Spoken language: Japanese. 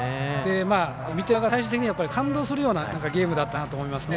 見てる側が最終的に感動するようなゲームだったなと思いますね。